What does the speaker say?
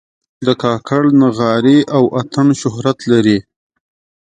د کاکړ نغارې او اتڼ شهرت لري.